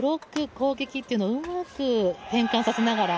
攻撃っていうのをうまく変換させながら